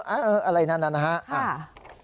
เอออะไรนั้นนะครับ